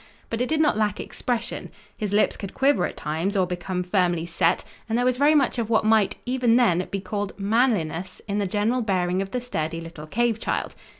But it did not lack expression. His lips could quiver at times, or become firmly set, and there was very much of what might, even then, be called "manliness" in the general bearing of the sturdy little cave child.